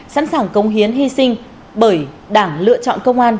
sẵn sàng công hiến hy sinh bởi đảng lựa chọn công an